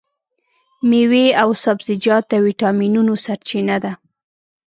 مېوې او سبزیجات د ویټامینونو سرچینه ده.